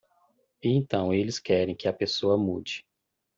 E então eles querem que a pessoa mude.